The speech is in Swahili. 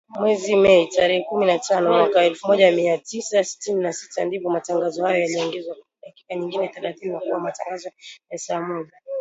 Mwezi Mei, tarehe kumi na tano, mwaka elfu moja mia tisa sitini na sita, ndipo matangazo hayo yaliongezewa dakika nyingine thelathini na kuwa matangazo ya saa moja.